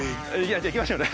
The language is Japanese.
じゃあいきましょうね。